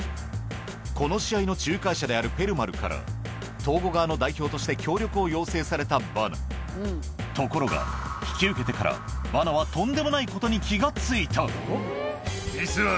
この試合の仲介者であるペルマルからトーゴ側の代表として協力を要請されたバナところが引き受けてからその辺りにいる。